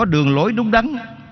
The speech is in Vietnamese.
có đường lối đúng đắn